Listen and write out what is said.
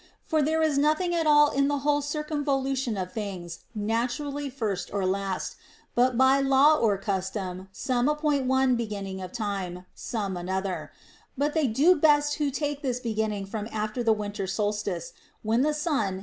For there is nothing at all in the whole circumvolution of things nat urally first or last, but by law or custom some appoint one beginning of time, some another ; but they do best who take this beginning from after the winter solstice, when the sun.